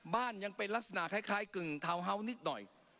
ยังเป็นลักษณะคล้ายกึ่งทาวน์เฮาส์นิดหน่อย